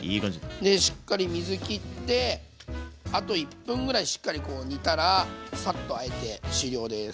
しっかり水きってあと１分ぐらいしっかり煮たらサッとあえて終了です。